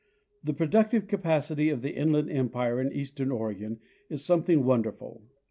The productive capacity of the Inland Empire in eastern Oregon is something wonderful.